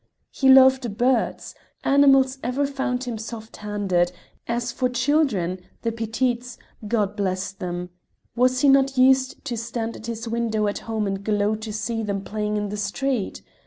He loved birds; animals ever found him soft handed; as for children the petites God bless them! was he not used to stand at his window at home and glow to see them playing in the street?